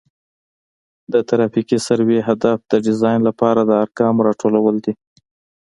د ترافیکي سروې هدف د ډیزاین لپاره د ارقامو راټولول دي